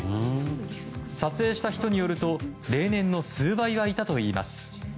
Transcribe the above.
撮影した人によると例年の数倍はいたといいます。